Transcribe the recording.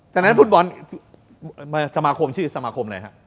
ฉะนั้นฟุตบอลสมาคมชื่อสมาคมอะไรครับ